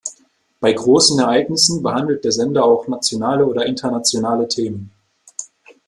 Bei grossen Ereignissen behandelt der Sender auch nationale oder internationale Themen.